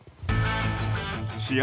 試合